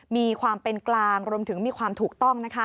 มีความเป็นกลางรวมถึงมีความถูกต้อง